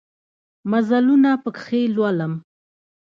مزلونه پکښې لولم